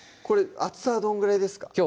これ厚さはどんぐらいですか？